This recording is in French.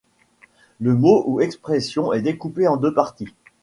Le mot ou expression est découpé en deux parties.